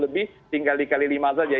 lebih tinggal dikali lima saja